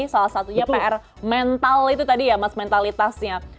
salah satunya pr mental itu tadi ya mas mentalitasnya